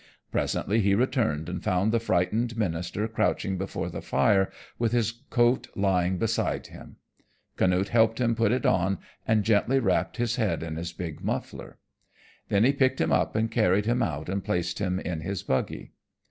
Presently he returned and found the frightened minister crouching before the fire with his coat lying beside him. Canute helped him put it on and gently wrapped his head in his big muffler. Then he picked him up and carried him out and placed him in his buggy.